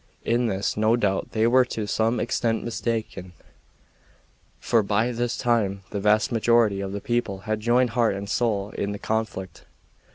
In this, no doubt, they were to some extent mistaken, for by this time the vast majority of the people had joined heart and soul in the conflict.